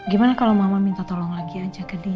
gimana kalau mama minta tolong lagi aja ke dia